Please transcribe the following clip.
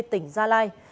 tỉnh gia lai